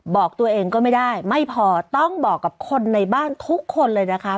บอกตัวเองก็ไม่ได้ไม่พอต้องบอกกับคนในบ้านทุกคนเลยนะคะ